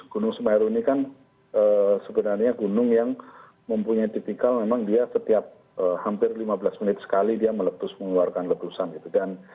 gunung semeru ini kan sebenarnya gunung yang mempunyai tipikal memang dia setiap hampir lima belas menit sekali dia meletus mengeluarkan letusan gitu